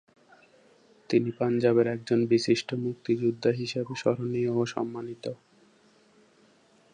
তিনি পাঞ্জাবের একজন বিশিষ্ট মুক্তিযোদ্ধা হিসাবে স্মরণীয় ও সম্মানিত।